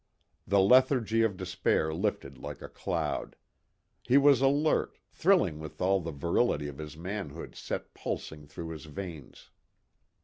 The lethargy of despair lifted like a cloud. He was alert, thrilling with all the virility of his manhood set pulsing through his veins.